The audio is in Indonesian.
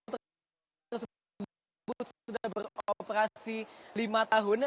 truk tersebut sudah beroperasi lima tahun